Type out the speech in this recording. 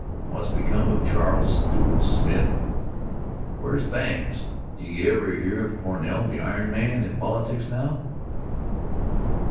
What's become of Charles Stewart Smith? Where's Bangs? Do you ever hear of Cornell, the iron man, in politics now?